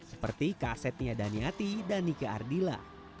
seperti kasetnya daniati dan nike ardila